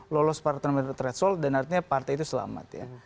lolos partai threshold dan artinya partai itu selamat ya